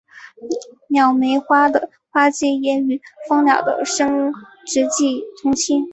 鸟媒花的花期也与蜂鸟的生殖季同期。